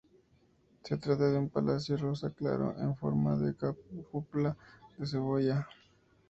Se trata de un palacio rosa claro, en forma de cúpula de cebolla.